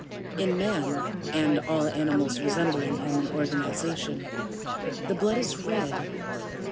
In man, and all animals resembling him in organization, the blood is red.